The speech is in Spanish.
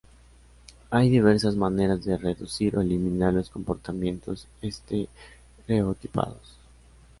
Hay diversas maneras de reducir o eliminar los comportamientos estereotipados.